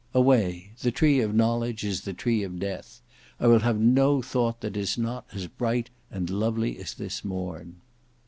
Away! the tree of knowledge is the tree of death. I will have no thought that is not as bright and lovely as this morn."